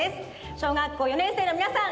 小学校４年生のみなさん